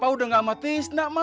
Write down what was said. pak udah nggak sama fisna ma